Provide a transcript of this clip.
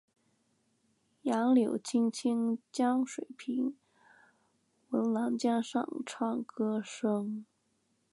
杨柳青青江水平，闻郎江上唱歌声。